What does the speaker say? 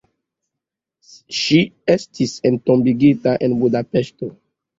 Ŝi estis entombigita en Budapeŝto.